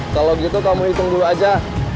kalau gitu kamu hitung dulu aja